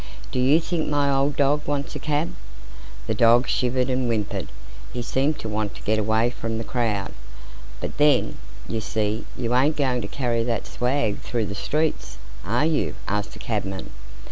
Do you think my old dog wants a cab?" The dog shivered and whimpered; he seemed to want to get away from the crowd. "But then, you see, you ain't going to carry that swag through the streets, are you?" asked the cabman.